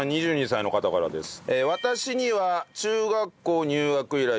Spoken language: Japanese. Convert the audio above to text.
２２歳の方からです。